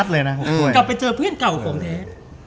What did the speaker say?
กลับไปเจอเพื่อนเก่าผมเอง